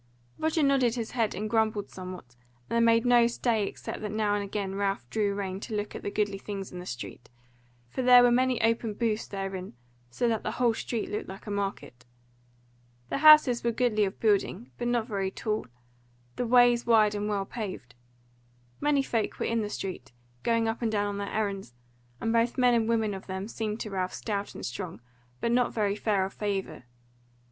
Roger nodded his head and grumbled somewhat, and they made no stay except that now and again Ralph drew rein to look at goodly things in the street, for there were many open booths therein, so that the whole street looked like a market. The houses were goodly of building, but not very tall, the ways wide and well paved. Many folk were in the street, going up and down on their errands, and both men and women of them seemed to Ralph stout and strong, but not very fair of favour.